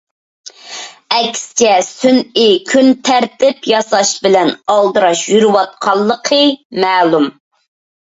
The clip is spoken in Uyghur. ئەكسىچە سۈنئىي كۈن تەرتىپ ياساش بىلەن ئالدىراش يۈرۈۋاتقانلىقى مەلۇم.